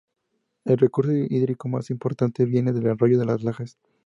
El recurso hídrico más importante viene del arroyo Las Lajas.